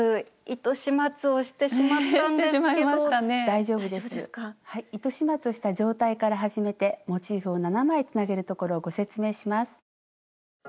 糸始末をした状態から始めてモチーフを７枚つなげるところをご説明します。